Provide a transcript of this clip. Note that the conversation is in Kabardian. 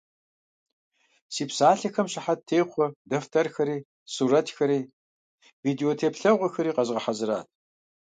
Си псалъэхэм щыхьэт техъуэ дэфтэрхэри, сурэтхэри, видеотеплъэгъуэхэри къэзгъэхьэзырат.